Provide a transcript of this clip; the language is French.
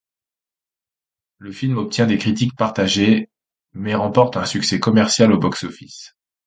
Le film obtient des critiques partagées, mais remporte un succès commercial au box-office.